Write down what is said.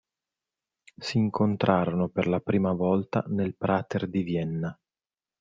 Si incontrarono per la prima volta nel Prater di Vienna.